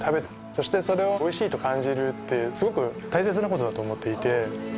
そしてそれをおいしいと感じるっていうすごく大切なことだと思っていて。